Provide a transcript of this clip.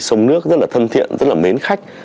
sông nước rất là thân thiện rất là mến khách